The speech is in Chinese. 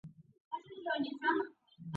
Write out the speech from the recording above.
干草市场车站是苏格兰第八繁忙的车站。